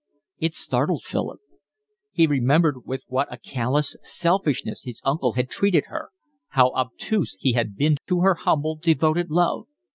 It startled Philip. He remembered with what a callous selfishness his uncle had treated her, how obtuse he had been to her humble, devoted love.